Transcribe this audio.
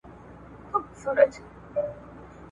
که یو ماشوم املا زده کړي نو په کتاب لوستلو پوهېږي.